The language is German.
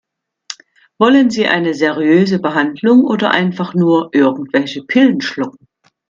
Wollen Sie eine seriöse Behandlung oder einfach nur irgendwelche Pillen schlucken?